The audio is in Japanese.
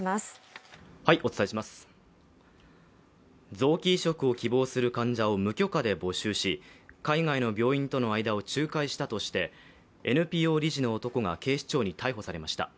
臓器移植を希望する患者を無許可で募集し海外の病院との間を仲介したとして、ＮＰＯ理事の男が警視庁に逮捕されました。